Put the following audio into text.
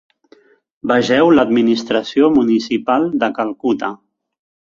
Vegeu l'administració municipal de Calcuta.